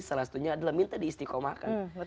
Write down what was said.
salah satunya adalah minta diistikomahkan